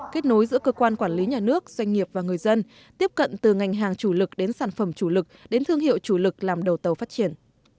kết nối giữa cơ quan quản lý nhà nước doanh nghiệp và người dân tiếp cận từ ngành hàng chủ lực đến sản phẩm chủ lực đến thương hiệu chủ lực làm đầu tàu phát triển